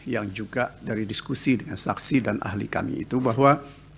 yang juga dari diskusi dengan saksi dan ahli kami itu bahwa